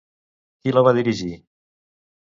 Qui la va dirigir?